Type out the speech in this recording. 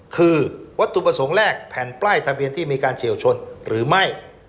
คือวัตถุประสงค์แรกแผ่นป้ายทะเบียนที่มีการเฉียวชนหรือไม่